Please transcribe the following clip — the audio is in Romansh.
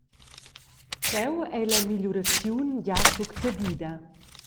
Cheu ei la migliuraziun gia succedida.